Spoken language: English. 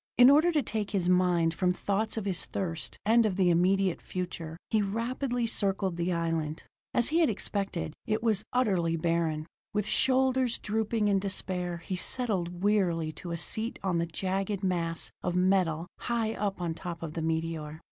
In order to take his mind from thoughts of his thirst and of the immediate future, he rapidly circled the island. As he had expected, it was utterly barren. With shoulders drooping in despair he settled wearily to a seat on the jagged mass of metal high up on top of the meteor.